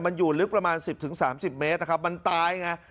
มันอยู่ลึกประมาณสิบถึงสามสิบเมตรนะครับมันตายไง